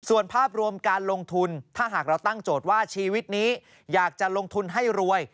ส่วนภาพรวมการลงทุนถ้าหากเราตั้งโจทย์ว่าชีวิตนี้อยากจะลงทุนให้รวย